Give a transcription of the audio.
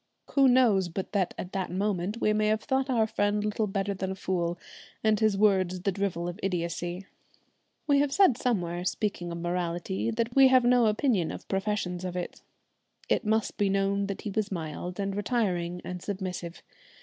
Who knows but that at that moment we may have thought our friend little better than a fool, and his words the drivel of idiotcy? We have said somewhere, speaking of morality, that we have no opinion of professions of it. It must be known that he was mild and retiring and submissive.